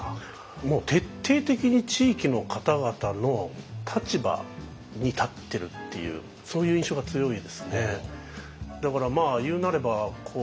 徹底的に地域の方々の立場に立ってるっていうそういう印象が強いですね。